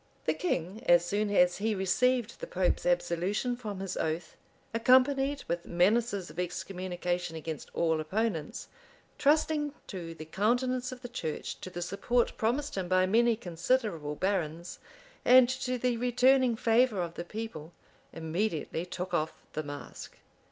{1262.} The king, as soon as he received the pope's absolution from his oath, accompanied with menaces of excommunication against all opponents, trusting to the countenance of the church, to the support promised him by many considerable barons, and to the returning favor of the people, immediately took off the mask.